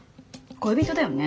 恋人だよね。